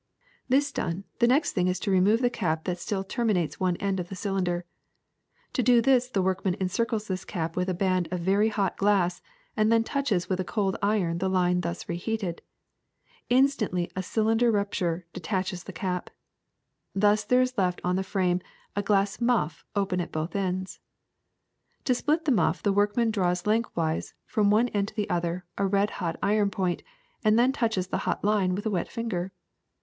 ^^This done, the next thing is to remove the cap that still terminates one end of the cylinder. To do this the workman encircles this cap with a band of very hot glass, and then touches with a cold iron the line thus reheated. Instantly a circular rupture detaches the cap. Thus there is left on the frame a glass muff open at both ends. To split this muff the workman draws lengthwise, from one end to the other, a red hot iron point, and then touches the hot line with a wet finger.